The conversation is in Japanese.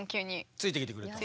ついてきてくれたんだ。